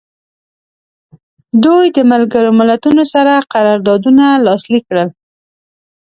دوی د ملګرو ملتونو سره قراردادونه لاسلیک کړل.